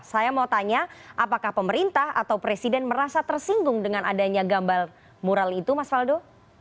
saya mau tanya apakah pemerintah atau presiden merasa tersinggung dengan adanya gambar mural itu mas faldo